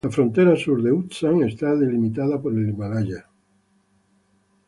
La frontera sur de Ü-Tsang está delimitada por el Himalaya.